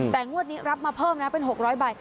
แต่งวดนี้รับมาเพิ่มนะเป็น๖๐๐ใบ